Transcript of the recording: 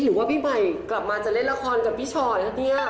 หรือว่าพี่ใหม่กลับมาจะเล่นละครกับพี่ชอตครับเนี่ย